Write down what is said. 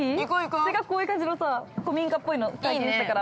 ◆せっかくこういう感じのさ、古民家っぽいの体験したから。